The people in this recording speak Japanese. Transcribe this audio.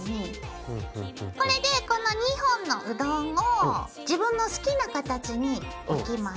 これでこの２本のうどんを自分の好きな形に置きます。